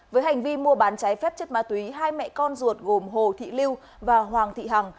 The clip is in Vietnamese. với hành vi mua bán trái phép chất ma túy hai mẹ con ruột gồm hồ thị lưu và hoàng thị hằng